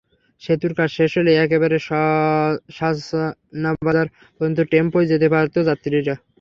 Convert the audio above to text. সেতুর কাজ শেষ হলে একেবারে সাচনাবাজার পর্যন্ত টেম্পোয় যেতে পারত যাত্রীরা।